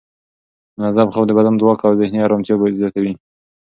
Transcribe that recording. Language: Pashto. منظم خوب د بدن ځواک او ذهني ارامتیا زیاتوي.